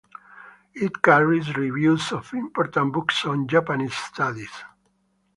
It carries reviews of important books on Japanese studies.